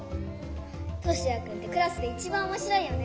トシヤくんってクラスでいちばんおもしろいよね。